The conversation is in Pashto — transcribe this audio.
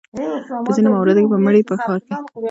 په ځینو مواردو کې به مړی په ښار کې ګرځول کېده.